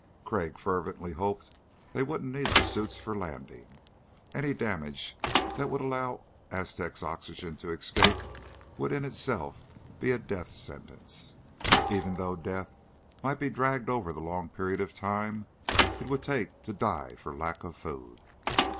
Crag fervently hoped they wouldn't need the suits for landing. Any damage that would allow the Aztec's oxygen to escape would in itself be a death sentence, even though death might be dragged over the long period of time it would take to die for lack of food.